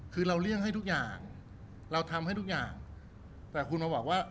คือเราเลี่ยงให้ทุกอย่างเราทำให้ทุกอย่างแต่คุณมาบอกว่า